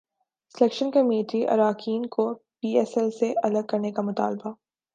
selection committee اراکین کو P S L سے الگ کرنے کا مطالبہ